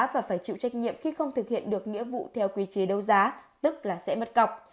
và phải chịu trách nhiệm khi không thực hiện được nghĩa vụ theo quy chế đấu giá tức là sẽ mất cọc